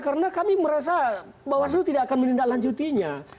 karena kami merasa bawaslu tidak akan menindaklanjutinya